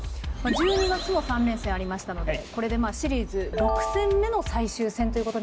１２月も３連戦ありましたのでこれでシリーズ６戦目の最終戦ということにもなります。